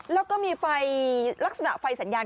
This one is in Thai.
แล้วก็มีไฟลักษณะไฟสัญญาณ